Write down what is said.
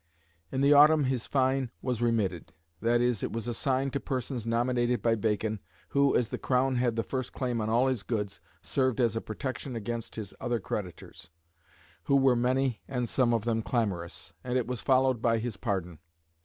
In the autumn his fine was remitted that is, it was assigned to persons nominated by Bacon, who, as the Crown had the first claim on all his goods, served as a protection against his other creditors, who were many and some of them clamorous and it was followed by his pardon.